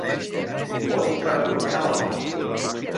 Bot per a portar oli.